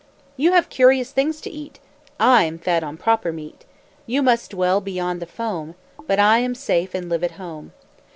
You have curious things to eat, I am fed on proper meat; You must dwell beyond the foam, But I am safe and live at home.